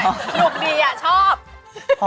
หนูดีอะชอบ